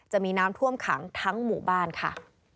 จะมีน้ำท่วมขังทั้งหมู่บ้านค่ะ